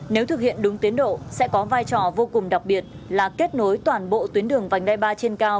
nếu thực hiện đúng tiến độ sẽ có vai trò vô cùng đặc biệt là kết nối toàn bộ tuyến đường vành đai ba trên cao